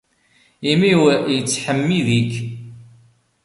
Imi-w ittḥemmid-ik.